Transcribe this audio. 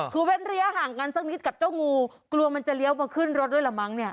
คือเว้นระยะห่างกันสักนิดกับเจ้างูกลัวมันจะเลี้ยวมาขึ้นรถด้วยละมั้งเนี่ย